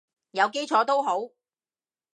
有基礎都好